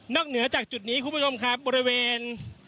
นอกเหนือจากจุดนี้ครับบริเวณ